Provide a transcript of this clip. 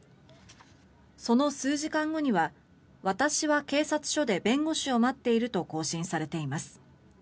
その数時間後には、私は警察署で弁護士を待っていると更新されています。